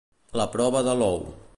La prova de l'ou.